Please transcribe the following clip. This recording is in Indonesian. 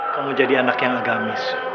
kamu jadi anak yang agamis